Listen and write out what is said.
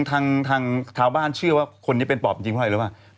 ทางชาวบ้านเชื่อว่าคนนี้เป็นปอบจริงเพราะอะไรรู้ป่ะ